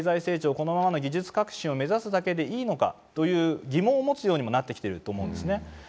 このままの技術革新を目指すだけでいいのかという疑問を持つようにもなってきていると思うんですよね。